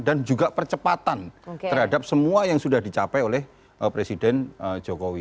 dan juga percepatan terhadap semua yang sudah dicapai oleh presiden jokowi